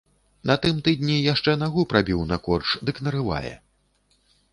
На тым тыдні яшчэ нагу прабіў на корч, дык нарывае.